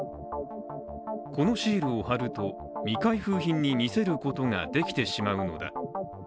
このシールを貼ると、未開封品に見せることができてしまうのだ。